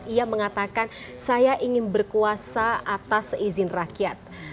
ia mengatakan saya ingin berkuasa atas izin rakyat